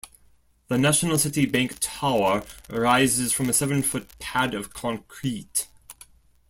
The National City Bank Tower rises from a seven foot pad of concrete.